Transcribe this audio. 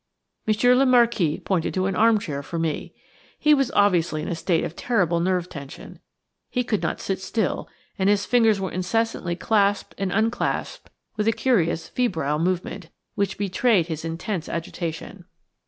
Monsieur le Marquis pointed to an armchair for me. He was obviously in a state of terrible nerve tension. He could not sit still, and his fingers were incessantly clasped and unclasped with a curious, febrile movement, which betrayed his intense agitation.